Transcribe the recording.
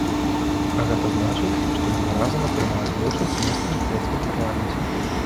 А гэта значыць, што яны разам атрымаюць большасць месцаў у турэцкім парламенце.